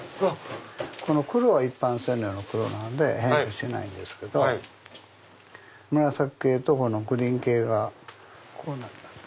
この黒は一般染料の黒なんで変化しないんですけど紫系とグリーン系がこうなります。